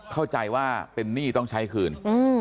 เข้าใจว่าเป็นหนี้ต้องใช้คืน